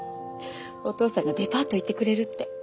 お父さんがデパート行ってくれるって。